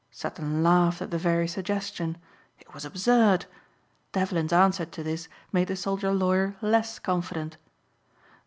Sutton laughed at the very suggestion. It was absurd. Devlin's answer to this made the soldier lawyer less confident.